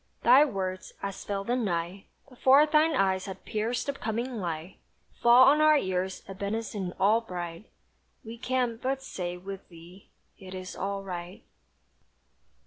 Thy words, as fell the night, Before thine eyes had pierced the coming light, Fall on our ears a benison all bright; We can but say with thee "it is all right!"